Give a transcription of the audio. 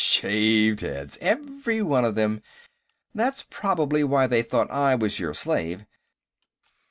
"Shaved heads, every one of them. That's probably why they thought I was your slave.